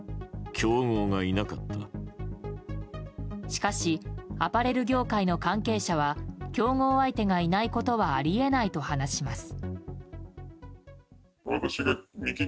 しかしアパレル業界の関係者は競合相手がいないことはありえないと話します。